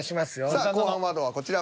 さあ後半ワードはこちら。